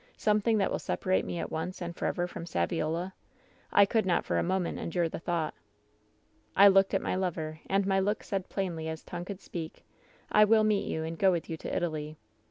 Something that will separate me at once and forever from Saviola? I could not for a moment endure the thought. "I looked at my lover, and my look said plainly as tongue could speak: " ^I will meet you, and go with you to Italy.'